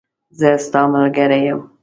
زه ستاملګری یم